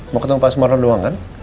mau ketemu pak sumarno doang kan